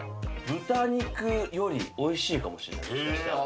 豚肉よりおいしいかもしれないもしかしたら。